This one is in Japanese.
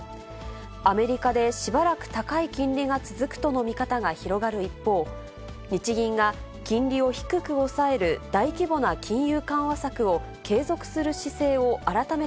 アメリカでしばらく高い金利が続くとの見方が広がる一方、日銀が金利を低く抑える大規模な金融緩和策を継続する姿勢を改め